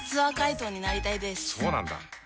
そうなんだ。